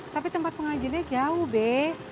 tapi tempat pengajiannya jauh be